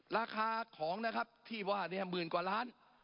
ราคาของนะครับที่ว่าเนี่ยหมื่นกว่าล้าน